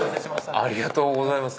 ありがとうございます。